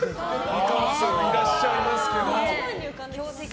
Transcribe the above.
美川さんもいらっしゃいますけど。